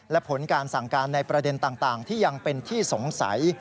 และผลการสั่งการในประเด็นต่างที่ยังเป็นที่สงสัย